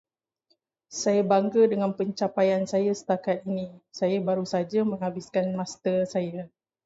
Saya bangga dengan pencapaian saya setakat ini. Saya baru sahaja menghabiskan master saya.